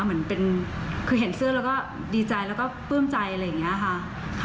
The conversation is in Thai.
เหมือนเป็นคือเห็นเสื้อแล้วก็ดีใจแล้วก็ปลื้มใจอะไรอย่างนี้ค่ะ